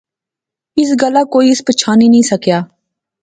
اس گلاہ کوئی اس پچھانی نی سکیا